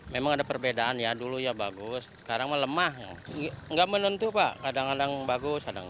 memang ada perbedaan ya dulu ya bagus sekarang mah lemah nggak menentu pak kadang kadang bagus kadang